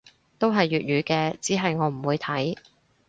都係粵語嘅，只係我唔會睇